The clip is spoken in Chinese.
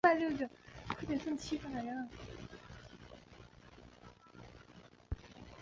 曾于汉和帝永元九年。